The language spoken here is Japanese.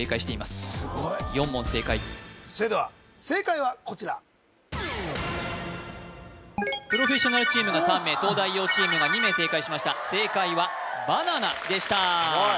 すごい４問正解それでは正解はこちらプロフェッショナルチームが３名東大王チームが２名正解しました正解はバナナでした